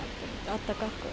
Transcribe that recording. あったかく。